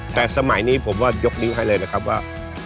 แต่สมัยนี้ผมว่ายกนิ้วให้เลยนะครับว่า